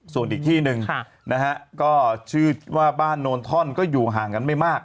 ส่วนอีกที่หนึ่งนะฮะก็ชื่อว่าบ้านโนนท่อนก็อยู่ห่างกันไม่มาก